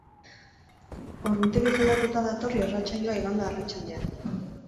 Ordutegiz aldatuta dator irratsaioa igande arratsaldean.